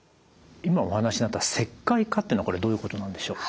今お話しになった石灰化っていうのはこれどういうことなんでしょう。